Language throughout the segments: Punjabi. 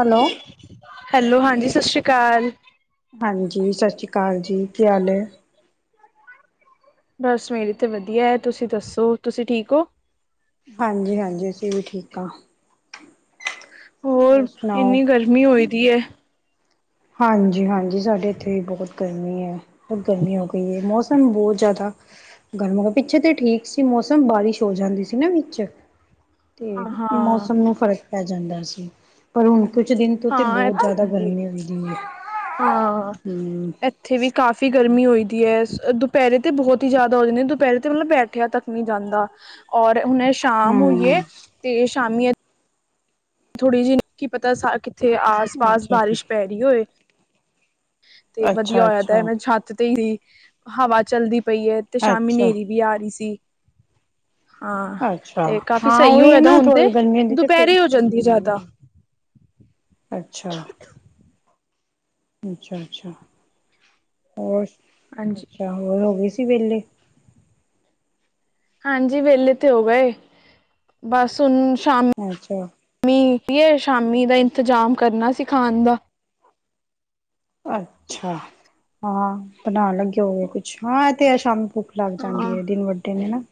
ਹੈਲੋ। ਹੈਲੋ, ਹਾਂਜੀ, ਸਤਿ ਸ੍ਰੀ ਅਕਾਲ। ਹਾਂਜੀ, ਸਤਿ ਸ੍ਰੀ ਅਕਾਲ ਜੀ। ਕੀ ਹਾਲ ਹੈ? ਬਸ ਮੇਰੀ ਤੇ ਵਧੀਆ ਹੈ, ਤੁਸੀਂ ਦੱਸੋ, ਤੁਸੀਂ ਠੀਕ ਹੋ? ਹਾਂਜੀ, ਹਾਂਜੀ ਅਸੀਂ ਵੀ ਠੀਕ ਹਾਂ। ਹੋਰ, ਇੰਨੀ ਗਰਮੀ ਹੋਈ ਦੀ ਹੈ। ਹਾਂਜੀ, ਹਾਂਜੀ ਸਾਡੇ ਇੱਥੇ ਵੀ ਬਹੁਤ ਗਰਮੀ ਹੈ। ਬ ਗਰਮੀ ਹੋ ਗਈ ਹੈ, ਮੌਸਮ ਬਹੁਤ ਜ਼ਿਆਦਾ। ਗਰਮ, ਪਿੱਛੇ ਤਾਂ ਠੀਕ ਸੀ ਮੌਸਮ ਬਾਰਿਸ਼ ਹੋ ਜਾਂਦੀ ਸੀ ਨਾ ਵਿੱਚ ਤੇ ਹਾਂ ਮੌਸਮ ਨੂੰ ਫ਼ਰਕ ਪੈ ਜਾਂਦਾ ਸੀ। ਪਰ ਹੁਣ ਕੁਛ ਦਿਨ ਤੋਂ ਤੇ ਹਾਂ ਬਹੁਤ ਇੱਥੇ ਜ਼ਿਆਦਾ ਵੀ ਗਰਮੀ ਹੋਦੀ ਹੈ। ਹਾਂ, ਹਮ ਏ। ਇੱਥੇ ਵੀ ਕਾਫ਼ੀ ਗਰਮੀ ਹੋਈਦੀ ਹੈ, ਦੁਪਹਿਰੇ ਤੇ ਬਹੁਤ ਹੀ ਜ਼ਿਆਦਾ ਹੋ ਜਾਂਦੇ ਨੇ, ਦੁਪਹਿਰੇ ਤੇ ਮਤਲਬ ਬੈਠਿਆ ਤੱਕ। ਜਾਂਦਾ ਔਰ ਹੁਣ ਸ਼ਾਮ ਹੋਈਏ ਹਮ ਤੇ ਸ਼ਾਮੀ। ਥੋੜ੍ਹੀ ਜਿਹੀ ਕੀ ਪਤਾ ਸਾ, ਕਿੱਥੇ ਆਸ ਪਾਸ ਅੱਛਾ ਜੀ ਬਾਰਿਸ਼ ਪੈ ਰਹੀ ਹੋਏ? ਤੇ ਅੱਛਾ ਵਧੀਆ ਹੋਇਆ ਤਾਂ ਅੱਛਾ ਮੈਂ ਛੱਤ ਤੇ ਈ ਰੀ ਹਵਾ ਚਲਦੀ ਪਈ ਐ। ਤੇ ਸ਼ਾਮੀ ਅੱਛਾ ਹਨੇਰੀ ਵੀ ਆ ਰਹੀ ਸੀ। ਹਾਂ ਅੱਛਾ ਤੇ ਕਾਫ਼ੀ ਹਾਂ ਸਹੀ ਉਹੀ ਹੈ ਹੋਏ ਦਾ ਨਾ ਹੁਣ ਥੋੜੀ ਤੇ, ਗਰਮੀ ਹੁੰਦੀ ਤੇ ਫਿਰ ਦੁਪਹਿਰੇ ਹੋ ਜਾਂਦੀ ਜ਼ਿਆਦਾ। ਹਮ ਅੱਛਾ। ਅੱਛਾ, ਅੱਛਾ ਹੋਰ ਹਾਂਜੀ ਅੱਛਾ ਹੋਰ ਹੋ ਗਏ ਸੀ ਵਿਹਲੇ? ਹਾਂਜੀ, ਵਿਹਲੇ ਤੇ ਹੋ ਗਏ ਬਸ ਹੁਣ ਸ਼ਾਮ। ਅੱਛਾ। [inaudible] ਕੀ ਸ਼ਾਮੀ ਦਾ ਇੰਤਜ਼ਾਮ ਕਰਨਾ ਸੀ ਖਾਣ ਦਾ। ਅੱਛਾ, ਹਾਂ ਬਣਾਉਣ ਲੱਗੇ ਹੋਏ ਕੁਛ ਹਾਂ, ਤੇ ਆ ਸ਼ਾਮ। ਭੁੱਖ ਲੱਗ ਹਾਂ ਜਾਂਦੀ ਹੈ, ਦਿਨ ਵੱਡੇ ਨੇ ਨਾ।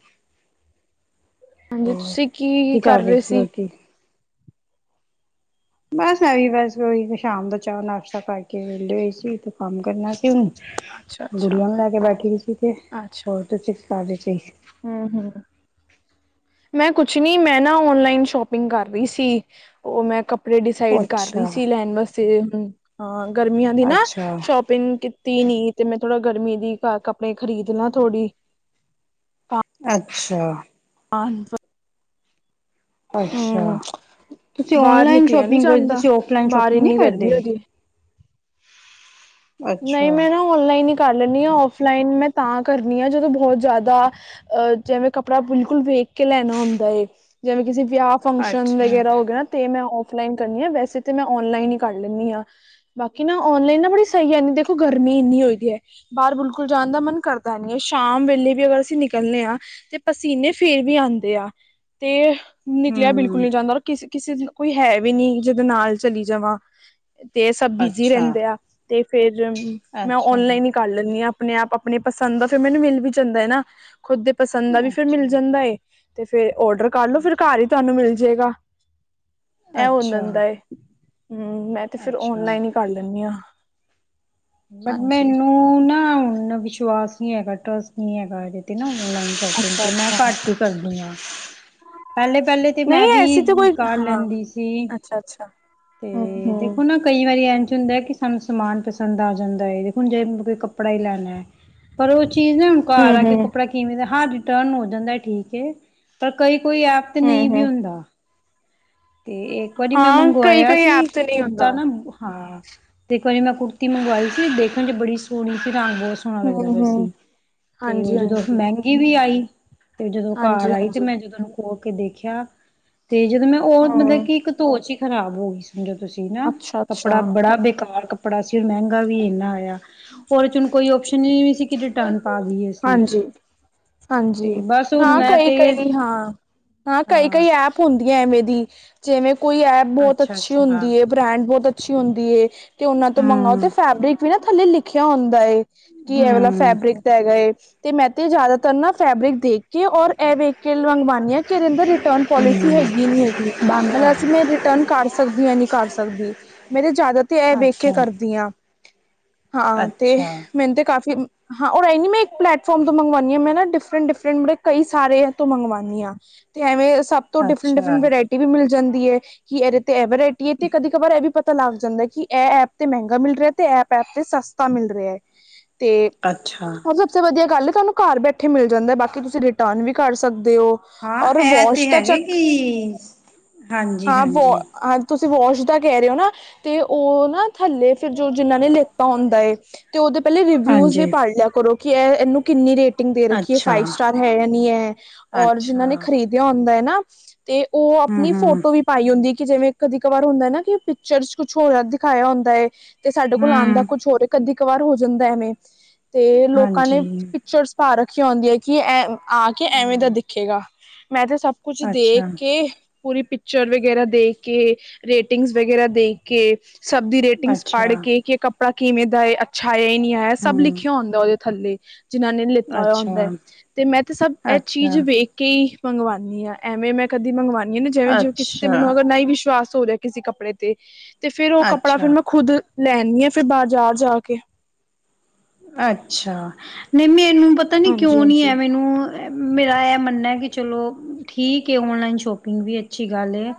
ਹਾਂਜੀ, ਹੋਰ ਤੁਸੀਂ ਕੀ ਕਰ ਰਹੇ ਸੀ। ਬਸ ਐ ਵੀ ਬਸ ਕੋਈ ਸ਼ਾਮ ਦਾ ਚਾ ਨਾਸ਼ਤਾ ਕਰਕੇ ਵੇਲੀ ਹੋਈ ਸੀ ਕੰਮ ਕਰਨਾ ਸੀ ਹੁਨ ਅੱਛਾ ਅੱਛਾ ਗੁੜੀਆਂ ਵੀ ਲੈ ਕੇ ਬੈਠੀ ਹੋਈ ਸੀ, ਤੇ ਹੋਰ ਤੁਸੀ ਕੀ ਕਰਦੇ ਸੀ। ਹੂੰ-ਹੂੰ। ਮੈਂ ਕੁਛ ਨੀ ਮੈਂ ਨਾ ਓਨਲਾਈਨ ਸ਼ੋਪਿੰਗ ਕਰ ਰਈ ਸੀ ਓ ਮੈਂ ਕੱਪ ਕੱਪੜੇ ਡਿਸਾਈਡ ਕਰ ਰੀ ਅੱਛਾ, ਸੀ ਲੈਣ ਵਾਸਤੇ ਹੁਨ ਗਰਮੀਆਂ ਦੀ ਨਾ ਅੱਛਾ, ਸ਼ੋਪ ਪਿੰਗ ਕੀਤੀ ਨੀ ਤੇ ਮੈਂ ਥੋੜਾ ਗਰਮੀ ਦੀ ਕ ਕੱਪੜੇ ਖ਼ਰੀਦ ਲਾਂ ਥੋੜ੍ਹੀ ਅੱਛਾ। ਆਨਵ ਅੱਛਾ ਤੁਸੀਂ ਬਾਹਰ ਔਨਲਾਈਨ ਨਿਕਲਿਆ ਨੀ ਸ਼ੋਪਿੰਗ ਕਰਦੇ ਜਾਂਦਾ ਤੁਸੀਂ ਔਫਲਾਈਨ ਬਾਹਰ ਸ਼ੋਪਿੰਗ ਨੀ ਇੰਨੀ ਕਰਦੇ। ਗਰਮੀ ਹੋਦੀ ਨਈ ਅੱਛਾ ਮੈਂ ਨਾ ਔਨਲਾਈਨ ਹੀ ਕਰ ਲੈਨੀ ਆਂ ਔਫਲਾਈਨ ਮੈਂ ਤਾਂ ਕਰਨੀ ਆ ਜਦੋਂ ਬਹੁਤ ਜ਼ਾਦਾ ਅਹ ਜਿਵੇਂ ਕੱਪੜਾ ਬਿਲਕੁਲ ਵੇਖ ਕੇ ਲੈਨਾ ਹੁੰਦਾ ਏ ਜਿਵੇਂ ਕਿਸੇ ਵਿਆਹ ਫੰਕਸ਼ਨ ਅੱਛਾ ਵਗੈਰਾ ਹੋ ਗਿਆ ਨਾ। ਤੇ ਮੈਂ ਔਫਲਾਈਨ ਕਰਨੀ ਆ ਵੈਸੇ ਤੇ ਮੈਂ ਔਨਲਾਈਨ ਹੀ ਕਰ ਲੈਂਨੀ ਆਂ ਬਾਕੀ ਨਾ ਔਨਲਾਈਨ ਨਾ ਬੜੀ ਤਾਂਈ ਐਨੀ ਦੇਖੋ ਗਰਮੀ ਇੰਨੀ ਹੋਈਦੀ ਐ। ਬਾਰ ਬਿਲਕੁਲ ਜਾਣ ਦਾ ਮਨ ਕਰਦਾ ਨਈ ਐ, ਸ਼ਾਮ ਵੇਲੇ ਵੀ ਅਗਰ ਅਸੀਂ ਨਿਕਲਨੇ ਆਂ ਤੇ ਪਸੀਨੇ ਫੇਰ ਵੀ ਆਂਦੇ ਆ, ਤੇ ਨਿਕਲਿਆ ਬਿਲਕੁਲ ਹੂੰ ਨੀ ਜਾਂਦਾ ਔਰ ਕਿਸੇ-ਕਿਸੇ ਕੋਈ ਹੈ ਵੀ ਨੀ ਜਿਦੇ ਨਾਲ ਚਲੀ ਜਾਵੇ। ਤੇ ਸਭ ਬਿਜ਼ੀ ਅੱਛਾ ਰੈਂਦੇ ਆ, ਤੇ ਫੇਰ ਮੈਂ ਅੱਛਾ ਔਨਲਾਈਨ ਈ ਕਰ ਲੈਂਨੀ ਆਂ ਆਪਨੇ ਆਪ ਆਪਨੀ ਪਸੰਦ ਦਾ ਫਿਰ ਮੈਨੂੰ ਮਿਲ ਵੀ ਜਾਂਦਾ ਐ ਨਾ। ਖੁਦ ਦੇ ਪਸੰਦ ਦਾ ਵੀ ਫਿਰ ਮਿਲ ਅੱਛਾ ਜਾਂਦਾ ਏ, ਤੇ ਫਿਰ ਔਡਰ ਕਰਲੋ ਫਿਰ ਘਰ ਈ ਤਾਨੂੰ ਮਿਲ ਜੇਗਾ। ਐ ਹੋ ਅੱਛਾ ਜਾਂਦਾ ਏ, ਹੂੰ ਮੈਂ ਤੇ ਫਿਰ ਅੱਛਾ ਔਨਲਾਈਨ ਈ ਕਰ ਲੈਂਨੀ ਆਂ। ਬਟ ਮੈਨੂੰ ਨਾ ਐਨਾ ਵਿਸ਼ਵਾਸ ਨੀ ਹੈਗਾ ਟਰਸਟ ਨੀ ਹੈਗਾ ਏਹਦੇ ਤੇ ਨਾ ਸ਼ੋਪਿੰਗ ਅੱਛਾ ਤੇ ਮੈਂ ਅੱਛਾ ਘੱਟ ਈ ਕਰਦੀ ਆ। ਪੈਲੇ-ਪੈਲੇ ਤੇ ਮੈਂ ਵੀ ਕਰ ਲੈਂਦੀ ਸੀ। ਅੱਛਾ-ਅੱਛਾ। ਤੇ ਦੇਖੋ ਨਾ ਕਈ ਵਾਰੀ ਇੰਝ ਹੁੰਦਾ ਐ ਕਿ ਸਾਨੂੰ ਸਮਾਨ ਪਸੰਦ ਆ ਜਾਂਦਾ ਏ ਦੇਖੋ ਜੇ ਕੋਈ ਕੱਪੜਾ ਈ ਲੈਨਾ ਐ। ਪਰ ਓ ਚੀਜ਼ ਨਾ ਹੁਨ ਘਰ ਆ ਹਮ ਕੇ ਹਮ ਕੱਪੜਾ ਕਿਵੇਂ ਦਾ ਹਾਂ ਰਿਟਰਨ ਹੋ ਜਾਂਦਾ ਠੀਕ ਏ, ਪਰ ਕਈ ਕੋਈ ਐਪ ਤੇ ਨਈ ਹਮ ਵੀ ਹਮ ਹੁੰਦਾ। ਤੇ ਇੱਕ ਵਾਰੀ ਮੈਂ ਹਾਂ ਕਈ ਮੰਗਵਾਇਆ ਕਈ ਐਪ ਸੀ ਤੇ ਨਹੀਂ ਹੁੰਦਾ ਕੁੜਤਾ ਨਾ ਹਾਂ ਦੇਖੋ ਜੇ ਮੈਂ ਕੁੜਤੀ ਮੰਗਵਾਈ ਸੀ ਦੇਖਣ ਚ ਬੜੀ ਸੋਹਣੀ ਸੀ ਰੰਗ ਬੋਤ ਸੋਹਣਾ ਹਮ ਲੱਗਦਾ ਪਿਆ ਹਮ ਸੀ, ਤੇ ਓ ਹਾਂਜੀ ਜਦੋਂ ਹਾਂਜੀ ਮੈਂ ਵੀ ਆਈ, ਤੇ ਜਦੋਂ ਘਰ ਹਾਂਜੀ ਆਈ ਤੇ ਹਾਂਜੀ ਮੈਂ ਜਦੋਂ ਓਨੂੰ ਖੋਲ ਕੇ ਦੇਖਿਆ, ਤੇ ਜਦੋਂ ਮੈਂ ਓ ਮਤਲਬ ਹਮ ਕਿ ਇੱਕ ਧੋ ਚ ਈ ਖਰਾਬ ਹੋ ਗਈ ਸਮਝੋ ਤੁਸੀਂ ਨਾ ਅੱਛਾ ਕੱਪੜਾ ਅੱਛਾ ਬੜਾ ਬੇਕਾਰ ਕੱਪੜਾ ਕੱਪੜਾ ਸੀ ਮੈਂਗਾ ਵੀ ਏਨਾ ਆਇਆ ਹੋਰ ਓਦੇ ਚ ਕੋਈ ਓਪਸ਼ਨ ਈ ਨੀ ਸੀ ਕਿ ਰਿਟਰਨ ਪਾ ਦੀਏ ਅਸੀਂ। ਹਾਂਜੀ ਤੇ ਹਾਂਜੀ, ਬਸ ਹੁਣ ਹਾਂ ਮੈਂ ਤੇ ਕਈ-ਕਈ ਹਾਂ, ਹਾਂ ਕਈ-ਕਈ ਐਪ ਹੁੰਦੀ ਐ ਐਵੇਂ ਦੀ, ਜਿਵੇਂ ਕੋਈ ਐਪ ਬੋਤ ਅੱਛਾ ਅੱਛੀ ਅੱਛਾ ਹੁੰਦੀ ਏ। ਬਰੈਂਡ ਬੋਤ ਅੱਛੀ ਹੁੰਦੀ ਏ, ਤੇ ਓਨਾਂ ਤੋਂ ਮੰਗਾਓ ਤੇ ਹੂੰ ਫੈਬਰਿਕ ਵੀ ਨਾ ਥੱਲੇ ਲਿਖਿਆ ਹੁੰਦਾ ਏ। ਕੀ ਏਹ ਵਾਲਾ ਹੂੰ ਇਕ ਤਾ ਹੈਗਾ ਏ, ਤੇ ਮੈਂ ਤੇ ਜ਼ਿਆਦਾਤਰ ਨਾ ਫੈਬਰਿਕ ਦੇਖ ਕੇ ਔਰ ਐਹ ਵੇਖ ਕੇ ਮੰਗਵਾਨੀ ਆਂ ਕੀ ਏਦੇ ਅੰਦਰ ਰਿਟਰਨ ਪੋਲਿਸੀ ਹੂੰ ਹੈਗੀ ਏ ਨਈ ਹੈਗੀ। ਬੰਦ ਮਤਲਬ ਅਸੀਂ ਮੈਂ ਰਿਟਰਨ ਕਰ ਸਕਦੀ ਆਂ ਨਈ ਕਰ ਸਕਦੀ। ਮੈਂ ਤੇ ਜ਼ਾਦਾ ਤੇ ਐਹ ਵੇਖ ਕੇ ਅੱਛਾ ਕਰਦੀ ਆਂ, ਹਾਂ ਤੇ ਅੱਛਾ ਮੈਨੂੰ ਤੇ ਕਾਫ਼ੀ ਹਾਂ ਓ ਐ ਨੀ ਮੈਂ ਇੱਕ ਪਲੇੈਟਫੋਮ ਤੋਂ ਮੰਗਵਾਨੀ ਆਂ ਮੈਂ ਨਾ ਡਿਫਰੈਂਟ-ਡਿਫਰੈਂਟ ਮਤਲਬ ਕਈ ਸਾਰਿਆਂ ਤੋਂ ਮੰਗਵਾਨੀ ਆਂ। ਤੇ ਐਵੇਂ ਸਬ ਤੋਂ ਅੱਛਾ ਡਿਫਰੈਂਟ-ਡਿਫਰੈਂਟ ਵਰਾਇਟੀ ਵੀ ਮਿਲ ਜਾਂਦੀ ਏ ਕਿ ਐਦੇ ਤੇ ਐ ਵਰਾਇਟੀ ਹੈ ਤੇ ਕਦੀ ਕਬਾਰ ਇਹ ਵੀ ਪ ਪਤਾ ਲੱਗ ਜਾਂਦਾ ਹੈ ਕਿ ਐ ਐਪ ਤੇ ਮਹਿੰਗਾ ਮਿਲ ਰਿਹਾ ਤੇ ਐ ਐਪ ਤੇ ਸਸਤਾ ਮਿਲ ਰਿਹਾ ਐ ਤੇ ਅੱਛਾ। ਔਰ ਸਭ ਸੇ ਵਧੀਆ ਗੱਲ ਤੁਹਾਨੂੰ ਘਰ ਬੈਠੇ ਮਿਲ ਜਾਂਦਾ ਬਾਕੀ ਤੁਸੀਂ ਰਿਟਰਨ ਵੀ ਕਰ ਸਕਦੇ ਓ। ਹਾਂ ਔਰ ਇਹ ਵਾਸ਼ ਤੇ ਦਾ ਹੈਗੇ ਚੱਕ, ਕਿ ਹਾਂਜੀ ਹਾਂ ਵਾ ਹਾਂਜੀ ਹਾਂ ਤੁਸੀਂ ਵਾਸ਼ ਦਾ ਕਹਿ ਰੇ ਓ ਨਾ ਤੇ ਓ ਨਾ ਥੱਲੇ ਫਿਰ ਜੋ ਜਿਨਾਂ ਨੇ ਲਿਖਤਾ ਹੁੰਦਾ ਏ। ਤੇ ਓਦੇ ਪਹਿਲੇ ਰਿਵਿਊਜ ਵੀ ਹਾਂਜੀ ਪੜ੍ਹ ਲਿਆ ਕਰੋ ਕਿ ਐ ਏਨੂੰ ਕਿੰਨੀ ਰੇਟ ਟਿੰਗ ਦੇ ਰੱਖੀਏ ਅੱਛਾ ਫਾਈਵ ਸਟਾਰ ਹੈ ਯਾ ਨੀ ਐ ਔਰ ਅੱਛਾ ਜਿਨ੍ਹਾਂ ਨੇ ਖਰੀਦਿਆ ਹੁੰਦਾ ਐ ਨਾ ਤੇ ਓ ਹਮ ਅਪਨੀ ਹਮ ਫੋਟੋ ਵੀ ਪਾਈ ਹੁੰਦੀ ਕਿ ਜਿਵੇਂ ਕਦੀ ਕਵਾਰ ਹੁੰਦਾ ਨਾ ਕਿ ਪਿਕਚਰ ਕੁਛ ਹੋਰ ਦਿਖਾਇਆ ਹੁੰਦਾ ਏ। ਤੇ ਸਾਡੇ ਕੋਲ ਆਂਦਾ ਹਮ ਕੁਛ ਹੋਰ ਏ, ਕਦੀ ਕਵਾਰ ਹੋ ਜਾਂਦਾ ਐਵੇਂ ਤੇ ਲੋਕਾਂ ਨੇ ਹਾਂਜੀ ਪਿਕਚਰਸ ਪਾ ਰਖੀਆਂ ਹੁੰਦੀਆਂ ਕਿ ਐ ਆ ਕੇ ਐਵੇਂ ਦਾ ਹਮ ਦਿਖੇਗਾ, ਮੈਂ ਤੇ ਸਭ ਕੁਛ ਦੇਖ ਅੱਛਾ ਕੇ ਪੂਰੀ ਪਿਕਚਰ ਵਗੈਰਾ ਦੇਖ ਕੇ, ਰੇਟਿੰਗਸ ਵਗੈਰਾ ਦੇਖ ਕੇ ਸਭ ਦੀ ਰੇ ਟਿੰਗ ਪੜ੍ਹ ਅੱਛਾ ਕੇ ਕੱਪੜਾ ਕਿਵੇਂ ਦਾ ਏ, ਅੱਛਾ ਐ ਨਈ ਐ ਸਭ ਲਿਖ ਹਮ ਓਦੇ ਥੱਲੇ ਜਿਨਾਂ ਨੇ ਲਿੱਤਾ ਹੋਇਆ ਹੁੰਦਾ ਅੱਛਾ ਤੇ ਮੈਂ ਤੇ ਸਭ ਐ ਚੀਜ਼ ਅੱਛਾ ਵੇਖ ਕੇ ਈ ਮੰਗਵਾਨੀ ਆ ਐਵੇਂ ਮੈਂ ਕਦੀ ਮੰਗਵਾਨੀ ਜਿਵੇਂ ਕਿਸੀ ਤੇ ਮੈਨੂੰ ਅੱਛਾ ਅਗਰ ਨਈ ਵਿਸ਼ਵਾਸ ਹੋ ਰਿਆ ਕਿਸੇ ਕੱਪੜੇ ਤੇ ਫੇਰ ਓ ਕੱਪੜਾ ਫਿਰ ਅੱਛਾ ਮੈਂ ਖੁੱਦ ਲੈ ਆਨੀ ਆ ਫੇਰ ਬਾਜ਼ਾਰ ਜਾ ਕੇ। ਅੱਛਾ, ਨਈ ਮੈਨੂੰ ਪਤਾ ਨੀ ਹਾਂਜੀ ਕਿਉਂ ਨੀ ਹਾਂਜੀ ਹੈ ਮੈਨੂੰ ਮੇਰਾ ਐ ਮੰਨਨਾ ਐ ਕਿ ਚਲੋ ਠੀਕ ਏ ਔਨਲਾਈਨ ਸ਼ੋਪਿੰਗ ਵੀ ਅੱਛੀ ਗੱਲ ਏ।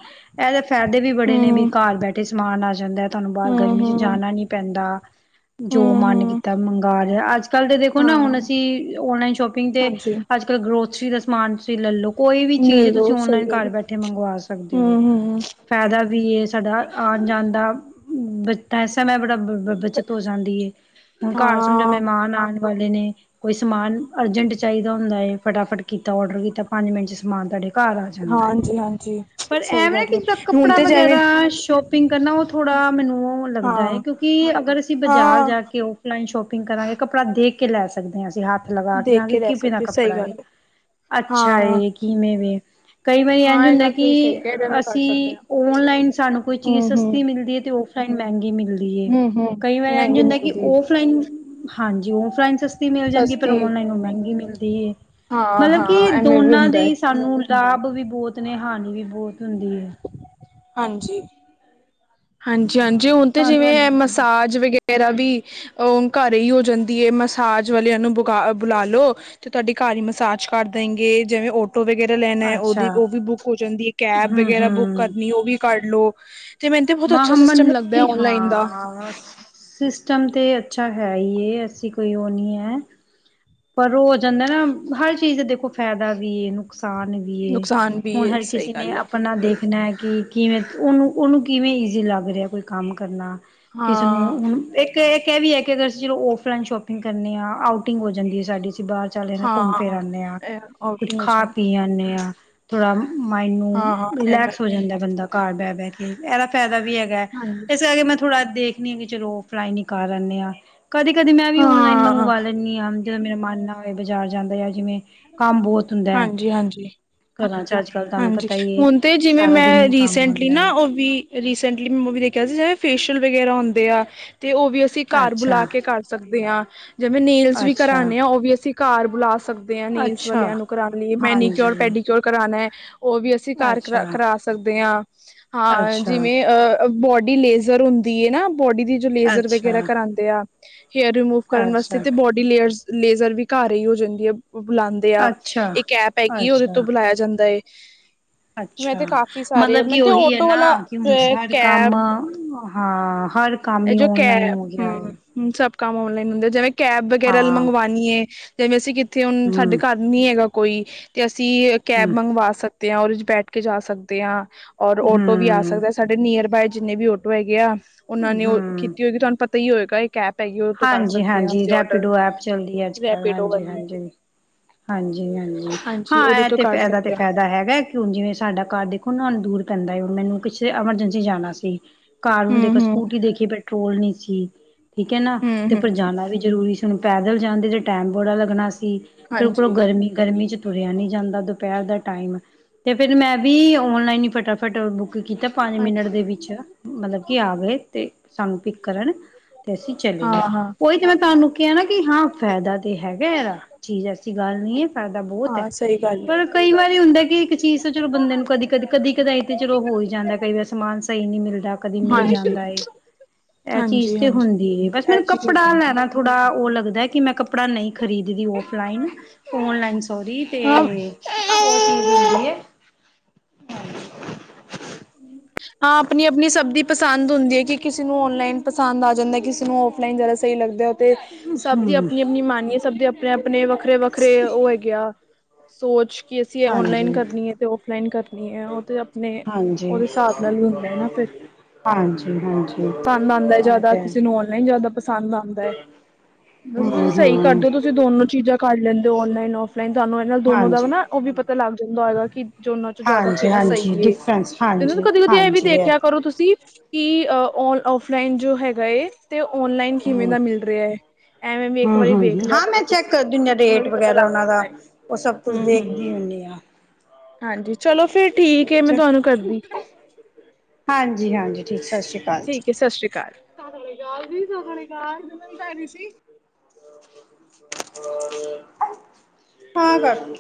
ਐਦੇ ਫ਼ੈਦੇ ਵੀ ਬੜੇ ਨੇ ਵੀ ਹਮ ਘਰ ਬੈਠੇ ਸਮਾਨ ਆ ਜਾਂਦਾ, ਤੁਹਾਨੂੰ ਬਾਰ ਹਮ ਗਰਮੀ 'ਚ ਹਮ ਜਾਣਾ ਨੀ ਪੈਂਦਾ। ਜੋ ਹਮ ਮਨ ਹਮ ਕੀਤਾ ਮੰਗਾ ਲਯਾ, ਅੱਜ-ਕੱਲ ਤੇ ਦੇਖੋ ਨਾ ਹਾਂ ਹੁਨ ਅਸੀਂ ਓਨਲਾਈਨ ਸ਼ੋਪਿੰਗ ਤੇ ਹਾਂਜੀ ਅੱਜ ਤਾਂ ਗਰੋਸਰੀ ਦਾ ਸਮਾਨ ਤੁਸੀਂ ਲੈ ਲੋ। ਕੋਈ ਵੀ ਲੈ ਚੀਜ਼ ਲੋ ਤੁਸੀਂ ਸਹੀ ਓਨਲਾਈਨ ਘਰ ਗੱਲ ਬੈਠੇ ਮੰਗਵਾ ਸਕਦੇ ਓ। ਹਮ ਹਮ ਫੈਦਾ ਵੀ ਏ ਸਾਡਾ ਆਨ-ਜਾਨ ਦਾ [unintelligible] ਬੜਾ [unintelligible] ਬੱਚਤ ਹੋ ਜਾਂਦੀ ਏ ਹੁਨ ਘਰ ਸਮਝੋ ਹਾਂ, ਮਹਿਮਾਨ ਆਣ ਵਾਲੇ ਨੇ। ਕੋਈ ਸਮਾਨ ਅਰਜੈਂਟ ਚਾਈਦਾ ਹੁੰਦਾ ਏ, ਫਟਾਫਟ ਕੀਤਾ ਔਡਰ ਕੀਤਾ ਪੰਜ ਮਿੰਟ 'ਚ ਸਮਾਨ ਤੁਹਾਡੇ ਘਰ ਆ ਜਾਂਦਾ ਏ, ਹਾਂਜੀ-ਹਾਂਜੀ ਪਰ ਸਹੀ ਐਵੇਂ ਗੱਲ ਏ ਜੇੜਾ ਹੁਣ ਕੱਪੜਾ ਤੇ ਜਿਵੇਂ ਵਗੈਰਾ ਸ਼ੋਪ ਸ਼ਪਿੰਗ ਕਰਨਾ ਓ ਥੋੜ੍ਹਾ ਮੈਨੂੰ ਓ ਲੱਗਦਾ ਐ ਹਾਂ, ਕਿਉਂਕਿ ਅਗਰ ਅਸੀਂ ਬਾਜ਼ਾਰ ਹਾਂ ਜਾ ਕੇ ਓ ਔਨਲਾਈਨ ਸ਼ੋਪਿੰਗ ਕਰਗੇ ਕੱਪੜਾ ਦੇਖ ਕੇ ਲੈ ਸ ਸਕਦੇ ਆਂ ਅਸੀਂ ਹੱਥ ਲਗਾ ਕੇ ਦੇਖ ਹਾਂ ਰਹਿ ਕਿਵੇ ਦਾ ਸਕਦੇ ਸਹੀ ਕੱਪੜਾ ਏ, ਗੱਲ ਅੱਛਾ ਹਾਂ। ਏ, ਕਿਵੇਂ ਵੇ। ਕਈ ਵਾਰੀ ਇਝ ਹਾਂ ਇਹ ਹੁੰਦਾ ਗੱਲ ਕਿ ਤੁਸੀਂ ਸਹੀ ਕਹਿ ਰਹੇ ਮੈਂ ਕਰ ਸਕਦੇ ਅਸੀਂ ਹਾਂ। ਓਨਲਾਈਨ ਸਾਨੂੰ ਕੋਈ ਚੀਜ਼ ਹੂੰ-ਹੂੰ, ਸਸਤੀ ਮਿਲਦੀ ਏ ਤੇ ਓ ਮਹਿੰਗੀ ਮਿਲਦੀ ਏ ਹੂੰ-ਹੂੰ ਕਈ ਵਾਰ ਇੰਝ ਮਹਿੰਗੀ ਹੁੰਦਾ ਕਿ ਮਿਲਦੀ ਓਫਲਾਈਨ, ਹਾਂਜੀ ਓਫਲਾਈਨ ਸਸਤੀ ਮਿਲ ਜਾਂਦੀ ਪਰ ਸਸਤੀ ਓਨਲਾਈਨ ਓ ਮਹਿੰਗੀ ਮਿਲਦੀ ਏ। ਮਤਲਬ ਹਾਂ-ਹਾਂ ਕਿ ਐਵੇਂ ਵੀ ਦੋਨਾਂ ਦੇ ਹੁੰਦਾ ਏ ਈ ਸਾਨੂੰ ਲਾਭ ਵੀ ਬੋਤ ਨੇ ਹਾਾਨੀ ਵੀ ਬੋਤ ਹੁੰਦੀ ਏ। ਹਾਂਜੀ। ਹਾਂਜੀ-ਹਾਂਜੀ, ਹਾਂ ਹੁਨ ਤੇ ਜਿਵੇਂ ਸਾਨੂੰ ਐ ਮਸਾਜ ਵਗੈਰਾ ਵੀ ਅ ਘਰੇ ਈ ਹੋ ਜਾਂਦੀ ਏ, ਮਸਾਜ ਵਾਲਿਆਂ ਨੂੰ ਬੁ ਬੁਲਾ ਲੋ। ਤੇ ਤੁਹਾਡੀ ਘਰ ਈ ਮਸਾਜ ਕਰ ਦੇਗੇ ਜਿਵੇਂ ਓਟੋ ਵਗੈਰਾ ਲੈਣਾ ਐ, ਅੱਛਾ ਓਦੀ ਓ ਵੀ ਬੁੱਕ ਹੋ ਜਾਂਦੀ, ਕੈਬ ਹੂੰ ਵਗੈਰਾ ਬੁੱਕ ਹੂੰ ਕਰਨੀ ਓ ਵੀ ਕਰ ਲੋ ਤੇ ਮੈਂਨ ਤੇ ਬਹੁਤ ਅੱਛਾ ਮਹਾ ਸਿਸਟਮ ਮਤਲਬ ਲੱਗਦਾ ਕਿ ਔਨਲਾਈਨ ਦਾ ਹਾਂ ਸਿਸਟਮ ਤੇ ਅੱਛਾ ਹੈ ਈ ਏ, ਐਸੀ ਕੋਈ ਓ ਨੀ ਐ। ਪਰ ਓ ਹੋ ਜਾਂਦਾ ਨਾ, ਹਰ ਚੀਜ਼ ਦਾ ਦੇਖੋ ਫੈਦਾ ਵੀ ਏ, ਨੁਕਸਾਨ ਵੀ ਏ, ਨੁਕਸਾਨ ਵੀ ਹੁਣ ਹੈ ਹਰ ਸਹੀ ਕਿਸੇ ਨੇ ਗੱਲ ਹੈ ਆਪਣਾ ਦੇਖਣਾ ਹੈ ਕਿ ਕਿਵੇਂ, ਉਹਨੂੰ, ਉਹਨੂੰ ਕਿਵੇਂ ਈਜ਼ੀ ਲੱਗ ਰਿਹਾ ਕੋਈ ਕੰਮ ਕਰਨਾ, ਇਸਨੂੰ ਹਾਂ ਹੁਣ ਇੱਕ ਇਹ ਕਹਿ ਵੀ ਹੈ ਕਿ ਅਗਰ ਅਸੀਂ ਜਲੋ ਔਫਲਾਈਨ ਸ਼ੋਪਿੰਗ ਕਰਨੀ ਹਾਂ ਆਊਟਿੰਗ ਹੋ ਜਾਂਦੀ ਹੈ ਸਾਡੀ ਅਸੀਂ ਬਾਹਰ ਚੱਲੇ ਨਾ ਘੁੰਮ ਫਿਰ ਹਾਂ ਆਂਦੇ ਹਾਂ, ਇਹ ਕੁੱਝ ਆਊਟਿੰਗ ਹੋ ਖਾ ਜਾਂਦੀ ਪੀ ਆਦੇ ਹਾਂ ਥੋੜਾ, ਮਾਇੰਡ ਨੂੰ ਹਾਂ ਇਹ ਰਿਲੈਕਸ ਹੋ ਗੱਲ ਹੈ ਜਾਂਦਾ ਬੰਦਾ ਘਰ ਬਹਿ- ਬਹਿ ਕੇ, ਇਹਦਾ ਫਾਇਦਾ ਵੀ ਹੈਗਾ ਠੀਕ ਐ, ਹਾਂਜੀ ਇਸੇ ਕਰਕੇ ਮੈਂ ਥੋੜ੍ਹਾ ਦੇਖਣੀ ਆਂ ਕਿ ਚਲੋ ਫਲਾਈ ਨ ਕਰ ਆਉਂਦੇ ਆਂ ਕਦੇ- ਕਦੇ ਮੈਂ ਵੀ ਔਨਲਾਈਨ ਹਾਂ ਮੰਗਵਾ ਲੈਂਦੀ ਹਾਂ, ਜਿਦੋਂ ਮੇਰਾ ਮਨ ਨਾ ਹੋਵੇ ਬਾਜ਼ਾਰ ਜਾਂਦਾ ਆ ਜਿਵੇਂ ਕੰਮ ਬਹੁਤ ਹੁੰਦਾ ਹੈ, ਹਾਂਜੀ-ਹਾਂਜੀ ਘਰਾਂ 'ਚ ਅੱਜ ਕੱਲ੍ਹ ਤੁਹਾਨੂੰ ਹਾਂਜੀ, ਪਤਾ ਈ ਏ। ਹੁਣ ਤਾਂ ਜਿਵੇਂ ਸਾਰਾ ਦਿਨ ਮੈਂ ਹੀ ਕੰਮ ਰੀਸੈਂਟਲੀ ਹੁੰਦਾ ਨਾ ਉਹ ਵੀ ਰੀਸੈਂਟਲੀ ਮੈਂ ਮੂਵੀ ਦੇਖਿਆ ਸੀ ਜਿ ਫੇਸ਼ੀਅਲ ਵਗੈਰਾ ਹੁੰਦੇ ਆ। ਤੇ ਉਹ ਵੀ ਅਸੀਂ ਐ ਘਰ ਬੁਲਾ ਅੱਛਾ ਕੇ ਕਰ ਸਕਦੇ ਹਾਂ, ਜਿਵੇਂ ਨੇਲਸ ਵੀ ਅੱਛਾ ਕਰਾਉਂਣੇ ਆ ਉਹ ਵੀ ਅਸੀਂ ਘਰ ਬੁਲਾ ਸਕਦੇ ਹ, ਨੀਜ਼ ਅੱਛਾ ਵਾਲਿਆਂ ਨੂੰ ਕਰਾਉਣ ਲਈ, ਮੈਨੀਕਿਓਰ ਹਾਂਜੀ ਪੈਡੀਕਿਓਰ ਕਰਾਉਣਾ ਹੈ ਉਹ ਵੀ ਅਸੀ ਅਸੀਂ ਘਰ ਕਰਾ, ਅੱਛਾ ਕਰਾ ਸਕਦੇ ਹਾਂ, ਹਾਂ ਅੱਛਾ ਜਿਵੇਂ ਅ ਬੋਡੀ ਲੇਜ਼ਰ ਹੁੰਦੀ ਹੈ ਨਾ, ਬੋਡੀ ਦੀ ਜੋ ਲੇਜਰ ਵਗੈਰਾ ਅੱਛਾ ਕਰਾਉਂਦੇ ਆ। ਹੇਅਰ ਰਿਮੂਵ ਕਰਨ ਵਾਸਤੇ ਅੱਛਾ ਤੇ ਬੋਡੀ ਲੇਅਰ ਲੇਜਰ ਵੀ ਘਰ ਹੀ ਹੋ ਜਾਂਦੀ ਆ ਬੁਲਾ। ਤੇ ਆ, ਅੱਛਾ ਇੱਕ ਐਪ ਹੈਗੀ, ਉਹਦੇ ਤੋਂ ਅੱਛਾ ਬੁਲਾਇਆ ਜਾਂਦਾ ਏ। ਅੱਛਾ, ਮਤਲਬ ਕਿ ਉਹੀ ਹੈ ਨਾ, ਕਿ ਹੁਣ ਸਡ ਕੰਮ ਹਾਂ, ਹਰ ਕੰਮ ਹੀ ਔਨਲਾਈਨ ਹੋ ਗਿਆ ਹੈ। ਹ ਸਭ ਕੰਮ ਔਨਲਾਈਨ ਹੁੰਦੇ, ਜਿਵੇਂ ਕੈਬ ਵਗੈਰਾ ਹਾਂ ਮੰਗਵਾਉਣੀਏ, ਜਿਵੇਂ ਅਸੀਂ ਕਿੱਥੇ ਹੁਣ ਸਾਡੇ ਹਮ ਘਰ ਨੀ ਹੈਗਾ ਕੋਈ, ਤੇ ਅਸੀਂ ਹਮ ਕੈਬ ਮੰਗਵਾ ਸਕਦੇ ਹਾਂ, ਉਹਦੇ 'ਚ ਬੈਠ ਕੇ ਜਾ ਸਕਦੇ ਹਾਂ। ਔਰ ਓਟੋ ਵੀ ਆ ਹਮ ਸਕਦਾ, ਸਾਡੇ ਨੀਅਰ ਬਾਏ ਜਿੰਨੇ ਵੀ ਆਟੋ ਹੈਗੇ ਆ, ਉਹਨਾਂ ਨੇ ਉਹ ਹਮ ਕੀਤੀ ਹੋਏਗੀ ਤੁਹਾਨੂੰ ਪਤਾ ਤਾਂ ਹੀ ਹੋਏਗਾ। ਕੈਪ ਹੈਗੀ ਉਹਦੇ ਤੋਂ ਕਰ ਹਾਂਜੀ- ਸਕਦੇ ਹਾਂ ਹਾਂਜੀ, ਅਸੀਂ ਔਡਰ ਰੈਪੀਡੋ ਐਪ ਚੱਲਦੀ ਹੈ ਅੱਜ ਕੱਲ ਰੈਪੀਡੋ ਹਾਂਜੀ- ਵਾਲੀ ਹਾਂਜੀ। ਹਾਂਜੀ -ਹਾਂਜੀ, ਹਾਂ ਉਹਦੇ ਇਹ ਤੋਂ ਤੇ ਕਰ ਇਹਦਾ ਤੇ ਸਕਦੇ ਹਾਂ ਫਾਇਦਾ ਹੈਗਾ। ਹੁਣ ਜਿਵੇਂ ਸਾਡਾ ਘਰ ਦੇਖੋ ਨਾ ਨੂੰ ਦੂਰ ਪੈਂਦਾ, ਮੈਨੂੰ ਕਿਸੇ ਐਮਰਜੈਂਸੀ ਜਾਣਾ ਸੀ। ਕਾਰ ਨੂੰਣ ਦੇਖੋ ਹਮ ਹਮ ਸਕੂਟੀ ਦੇਖੀ ਪੈਟਰੋਲ ਨਹੀਂ ਸੀ, ਠੀਕ ਹੈ ਨਾ, ਤੇ ਹਮ ਫਿਰ ਹਮ ਜਾਣਾ ਵੀ ਜ਼ਰੂਰੀ ਸੀ। ਪੈਦਲ ਜਾਂਦੀ ਤੇ ਟੈਮ ਬੜਾ ਲੱਗਣਾ ਸੀ, ਫਿਰ ਉੱਪਰੋਂ ਹਾਂਜੀ ਗਰਮੀ, ਗਰਮੀ 'ਚ ਤੁਰਿਆ ਨੀ ਜਾਂਦਾ ਦੁਪਹਿਰ ਦਾ ਟਾਈਮ, ਤੇ ਫਿਰ ਮੈਂ ਵੀ ਓਨਲਾਈਨ ਹੀ ਫਟਾਫਟ ਬੁੱਕ ਕੀਤਾ। ਪੰਜ ਮਿੰਟ ਹਾਂਜੀ। ਦੇ ਵਿੱਚ ਮਤਲਬ ਕਿ ਆ ਗਏ, ਤੇ ਸਾਨੂੰ ਪਿੱਕ ਕਰਨ ਤੇ ਅਸੀਂ ਚਲੇ ਹਾਂ, ਗਏ। ਹਾਂ, ਉਹੀ ਤੇ ਮੈਂ ਤੁਹਾਨੂੰ ਕਿਹਾ ਨਾ ਕਿ ਹਾਂ ਫਾਇਦਾ ਤੇ ਹੈਗਾ ਇਹਦਾ, ਚੀਜ਼ ਐਸੀ ਗੱਲ ਨਹੀਂ ਹੈ। ਫ਼ਾਇਦਾ ਬਹੁਤ ਹਾਂ ਹੈ। ਸਹੀ ਗੱਲ ਏ, ਪਰ ਕਈ ਵਾਰੀ ਹੁੰਦਾ ਕਿ ਇੱਕ ਚੀਜ਼ ਤਾਂ ਚਲੋ ਬੰਦੇ ਨੂੰ ਕਦੀ- ਕਦੀ, ਕਦੀ ਕਦੇ ਤੇ ਚਲੋ ਹੋਈ ਜਾਂਦਾ, ਕਈ ਵੈਸ ਸਮਾਨ ਸਹੀ ਨੀ ਮਿਲਦਾ, ਕਦੀ ਮਿਲ ਹਾਂਜੀ। ਜਾਂਦਾ, ਇਹ ਚੀਜ਼ ਹਾਂਜੀ, ਤੇ ਹਾਂਜੀ ਹੁੰਦੀ ਬਸ। ਇਹ ਮੈਨੂੰ ਚੀਜ਼ ਹੋ ਕੱਪੜਾ ਜਾਂਦੀ। ਲੈਣਾ ਥੋੜਾ ਉਹ ਲੱਗਦਾ, ਕਿ ਮੈਂ ਕੱਪੜਾ ਨਹੀਂ ਖਰੀਦਦੀ ਉਹ। ਫਲਾਈਨ, ਔਨਲਾਈਨ ਸੋਰੀ ਤੇ ਹਾਂ, ਹਮ। ਹਾਂ ਆਪਣੀ- ਆਪਣੀ ਸਬਦੀ ਪਸੰਦ ਹੁੰਦੀ ਹੈ ਕਿ ਕਿਸੇ ਨੂੰ ਔਨਲਾਈਨ ਪਸੰਦ ਆ ਜਾਂਦਾ, ਕਿਸੇ ਨੂੰ ਔਫਲਾਈਨ ਜ਼ਿਆਦਾ ਸਹੀ ਲੱਗਦਾ। ਤੇ, ਸਭ ਦੀ ਹਮ ਆਪਣੀ- ਆਪਣੀ ਮਾਨੀਏ ਸਭ ਦੇ ਆਪਣੇ -ਆਪਣੇ ਵੱਖਰੇ -ਵੱਖਰੇ ਉਹ ਹੈਗੇ ਆ। ਸੋਚ, ਕਿ ਅਸੀਂ ਇਹ ਔਨਲਾਈਨ ਹਾਂਜੀ ਕਰਨੀ ਹੈ ਤੇ ਔਫਲਾਈਨ ਕਰਨੀ ਹੈ ਉਹ ਤੇ ਆਪਣੇ ਹਾਂਜੀ ਉਹਦੇ ਹਿਸਾਬ ਨਾਲ ਵੀ ਹੁੰਦਾ ਹੈ ਨਾ ਫਿਰ, ਹਾਂਜੀ ਹਾਂਜੀ ਧੰਦ ਆਉਂਦਾ ਇਹ ਜਿਆਦਾ, ਤੇ ਹੈ ਕਿਸੇ ਨੂੰ ਔਨਲਾਈਨ ਜ਼ਿਆਦਾ ਪਸੰਦ ਆਉਂਦਾ ਹੈ, ਹਮ ਬੈਸੇ ਤੁਸੀਂ ਸਹੀ ਹਮ ਕਰਦੇ ਹੋ ਤੁਸੀਂ ਦੋਨੋ ਚੀਜ਼ਾਂ ਕਰ ਲੈਂਦੇ ਹੋ ਔਨਲਾਈਨ, ਔਫ ਔਫਲਾਈਨ, ਇਹਨਾਂ ਦੋਨੋ ਦਾ ਵਾ ਹਾਂਜੀ ਨਾ ਉਹ ਵੀ ਪਤਾ ਲੱਗ ਜਾਂਦਾ ਹੈਏਗਾ ਕਿ ਜੋਨਾਂ ਚੋਂ ਜ਼ਿਆਦਾ ਹਾਂਜੀ ਕਿੜਾ ਹਾਂਜੀ ਸਹੀ ਏ ਡਿਫਰੈਂਸ ਤੇ ਹਾਂਜੀ ਕਦੀ- ਕਦੀ ਇਹ ਵੀ ਹਾਂਜੀ ਦੇਖਿਆ ਕਰੋ ਤੁਸੀਂ ਕਿ, ਔਫਲਾਈਨ ਜੋ ਹੈਗਾ। ਤੇ ਓਨਲਾਈਨ ਕਿਵੇਂ ਹਮ ਦਾ ਮਿਲ ਰਿਹਾ ਹੈ। ਐਵੇਂ ਵੀ ਇੱਕ ਹਮ ਵਾਰੀ ਵੇਖ ਹ- ਹ ਲਿਆ ਹਾਂ, ਮੈਂ ਕਰੋ ਚੈੱਕ ਤੁਸੀਂ ਕਰਦੀ ਉਹਨੂੰ ਰੇਟ ਵੀ ਪਤਾ ਵਗੈਰਾ ਲੱਗ ਉਹਨਾਂ ਦਾ, ਪਾਉਂਦਾ ਹੈ ਉਹ ਸਭ ਕੁਝ ਹਮ ਹਮ ਦੇਖਦੀ ਹੁੰਨੀ ਆਂ। ਹਾਂਜੀ ਚਲੋ ਫੇਰ ਠੀਕ ਏ ਮੈਂ ਤੁਹਾਨੂੰ ਕਰਦੀ ਹਾਂਜੀ-ਹਾਂਜੀ। ਠੀਕ ਏ ਸਸ ਰੀ ਕਾਲ ਸਸ ਰੀ ਕਾਲ [unintelligible] [unintelligible] ਹਾਂ ਕਰ